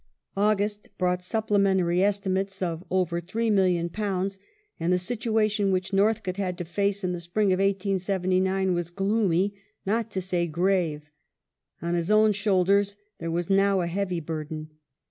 August brought supplementary estimates of over £3,000,000, and the situation which Northcote had to face in the spring of 1879 was gloomy, not to say grave. On his own shouldei"s there was now a heavy burden.